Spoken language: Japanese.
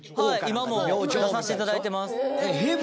今出さしていただいてます